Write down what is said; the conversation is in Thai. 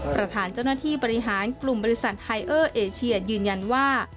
ประธานเจ้าหน้าที่บริหารกลุ่มบริษัทไฮเออร์เอเชียยืนยันว่า